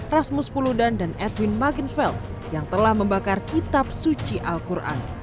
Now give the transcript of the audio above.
rasmus puludan dan edwin mukinsvel yang telah membakar kitab suci al quran